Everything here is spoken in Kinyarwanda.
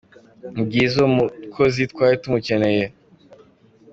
Ni byiza uwo mukozi twari tumukeneye.